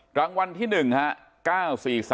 กลางวันที่๑ค่ะ๙๔๓๖๔๗